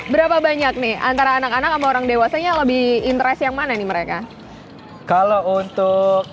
berapa banyak nih antara anak anak sama orang dewasanya lebih interest yang mana nih mereka kalau untuk